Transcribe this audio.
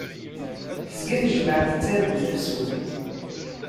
Tezga tejmaɛt tettargu tafsut.